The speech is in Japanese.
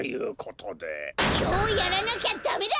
きょうやらなきゃダメだ！